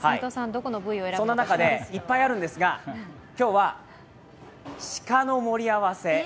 いっぱいあるんですが、今日は鹿の盛り合わせ。